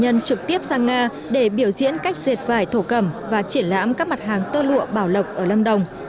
chúng tôi trực tiếp sang nga để biểu diễn cách dệt vải thổ cẩm và triển lãm các mặt hàng tơ lụa bảo lộc ở lâm đồng